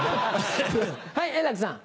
はい円楽さん。